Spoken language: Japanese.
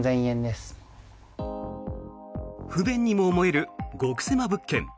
不便にも思える極狭物件。